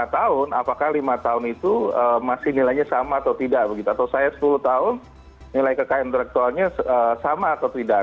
lima tahun apakah lima tahun itu masih nilainya sama atau tidak begitu atau saya sepuluh tahun nilai kekayaan intelektualnya sama atau tidak